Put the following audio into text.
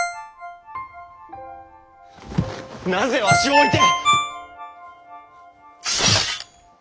なぜわしを置いて！